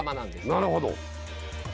なるほど。